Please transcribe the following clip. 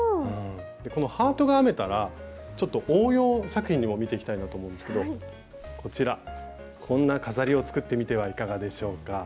このハートが編めたらちょっと応用作品も見ていきたいなと思うんですけどこちらこんな飾りを作ってみてはいかがでしょうか。